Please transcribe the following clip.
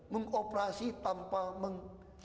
mengoperasi tanpa meng